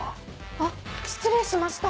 あっ失礼しました。